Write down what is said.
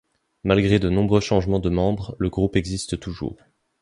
Malgré de nombreux changements de membres, le groupe existe toujours.